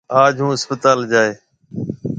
آج هُون هسپتال جائِي۔